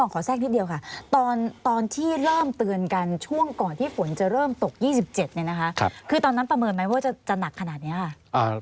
ครับท่อนั้นประเมินไหมว่าจะหนักขนาดนี้ล่ะ